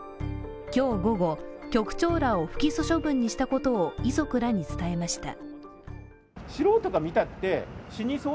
今日午後、局長らを不起訴処分にしたことを遺族らに伝えました。